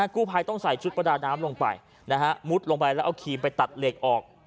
กู้ภัยต้องใส่ชุดประดาน้ำลงไปนะฮะมุดลงไปแล้วเอาครีมไปตัดเหล็กออก